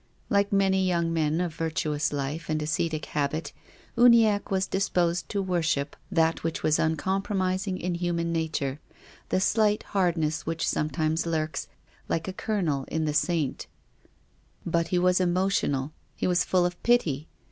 Like many young men of virtuous life and ascetic habit, Uniackc was disposed to worship that which was uncom promising in human nature, the slight hardness which sometimes lurks, like a kernel, in the saint. 56 TONGUES OF CONSCIENCE. But he was emotional. He was full of pity.